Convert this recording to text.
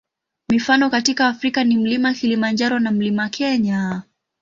Mifano katika Afrika ni Mlima Kilimanjaro na Mlima Kenya.